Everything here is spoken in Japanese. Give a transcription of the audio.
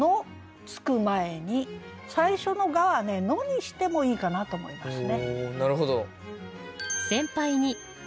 最初の「が」は「の」にしてもいいかなと思いますね。